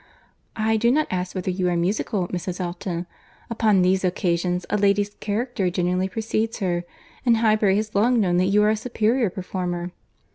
"I do not ask whether you are musical, Mrs. Elton. Upon these occasions, a lady's character generally precedes her; and Highbury has long known that you are a superior performer."